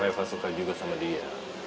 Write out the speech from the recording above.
oh reva suka juga sama dia